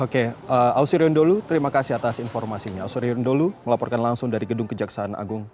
ketika datang ke kejaksaan